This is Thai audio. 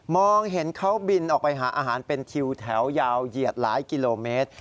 เห็นเขาบินออกไปหาอาหารเป็นทิวแถวยาวเหยียดหลายกิโลเมตร